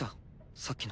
さっきの。